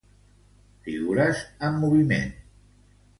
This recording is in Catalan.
Figures en moviment.